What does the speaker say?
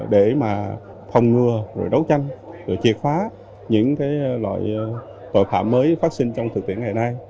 để mà thông ngừa rồi đấu tranh rồi chìa khóa những loại tội phạm mới phát sinh trong thực tiễn ngày nay